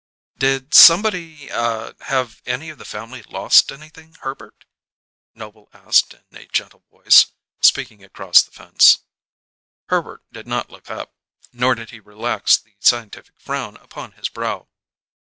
"Did somebody ah, have any of the family lost anything, Herbert?" Noble asked in a gentle voice, speaking across the fence. Herbert did not look up, nor did he relax the scientific frown upon his brow.